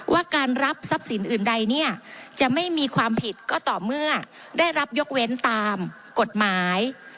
ว่าการรับทรัพย์สินอื่นใดเนี่ยจะไม่มีความผิดก็ต่อเมื่อได้รับยกเว้นตามกฎหมาย